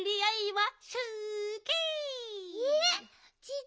えっ！